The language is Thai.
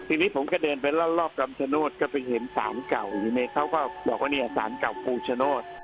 ทีนี้ผมก็เดินไปรอบคำชโนธก็ไปเห็นสารเก่าทีนี้เขาก็บอกว่าเนี่ยสารเก่าพงชโนธ